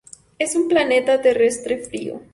Es un planeta terrestre frío.